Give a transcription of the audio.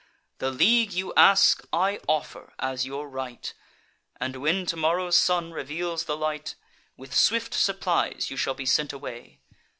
The league you ask, I offer, as your right; And, when tomorrow's sun reveals the light, With swift supplies you shall be sent away.